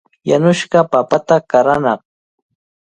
Yanushqa papata qaranaaq.